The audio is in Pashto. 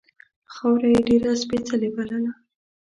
خاوره یې ډېره سپېڅلې بلله.